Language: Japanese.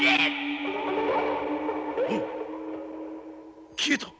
おっ消えた！